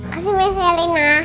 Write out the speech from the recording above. terima kasih mesya rena